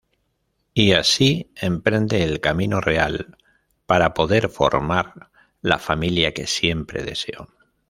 Y así emprende el camino real para poder formar la familia que siempre deseó.